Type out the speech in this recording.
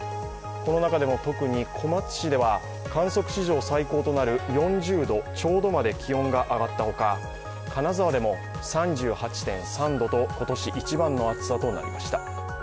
この中でも特に小松市では観測史上最高となる４０度ちょうどまで気温が上がったほか、金沢でも３８．３度と今年一番の暑さとなりました。